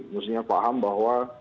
mestinya paham bahwa